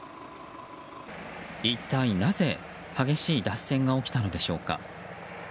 一体なぜ激しい脱線が起きたのでしょうか。